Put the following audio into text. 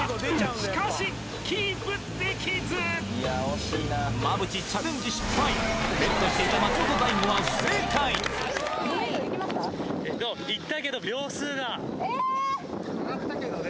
しかしキープできず馬淵チャレンジ失敗ＢＥＴしていた松本大悟は不正解えっ！